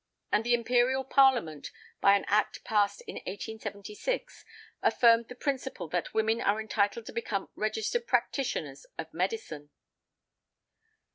And the Imperial Parliament, by an Act passed in 1876, affirmed the principle that women are entitled to become registered practitioners of medicine.